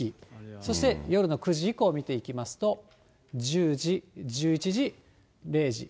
そして夜の９時以降を見ていきますと、１０時、１１時、０時。